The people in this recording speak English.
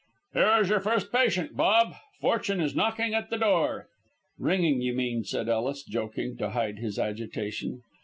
"Here is your first patient, Bob. Fortune is knocking at the door!" "Ringing, you mean," said Ellis, joking, to hide his agitation.